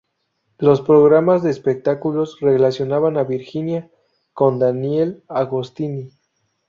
Los programas de espectáculos relacionaban a Virginia con Daniel Agostini.